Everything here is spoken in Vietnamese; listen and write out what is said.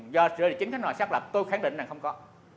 do chính thức ngoài xác lập tôi khẳng định là không có